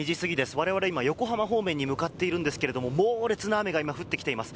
我々、今、横浜方面に向かっているんですが猛烈な雨が今降ってきています。